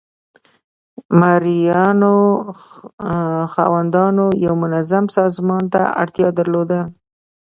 د مرئیانو خاوندانو یو منظم سازمان ته اړتیا درلوده.